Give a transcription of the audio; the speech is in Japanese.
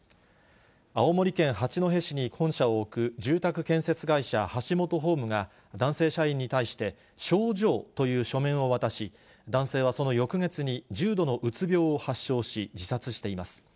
青森県八戸市に本社を置く住宅建設会社、ハシモトホームが、男性社員に対して、症状という書面を渡し、男性はその翌月に重度のうつ病を発症し、自殺しています。